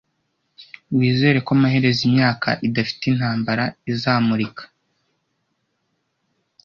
wizere ko amaherezo imyaka idafite intambara izamurika